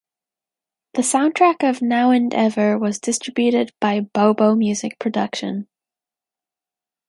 The soundtrack of "Now and Ever" was distributed by Bo Bo Music Production.